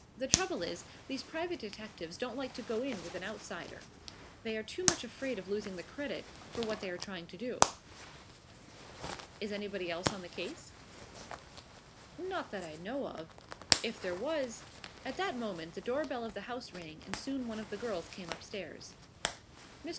The trouble is, these private detectives don't like to go in with an outsider they are too much afraid of losing the credit for what they are trying to do." "Is anybody else on the case?" "Not that I know of. If there was " At that moment the door bell of the house rang and soon one of the girls came upstairs. "Mr.